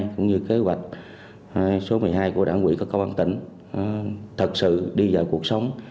cũng như kế hoạch số một mươi hai của đảng quỹ các công an tỉnh thật sự đi vào cuộc sống